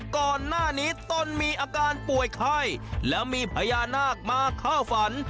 ก่อนหน้านี้ต้นมีอาการป่วยไข้แล้วมีพญานาคมาเข้าฝัน